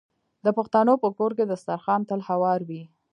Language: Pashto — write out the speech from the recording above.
د پښتنو په کور کې دسترخان تل هوار وي.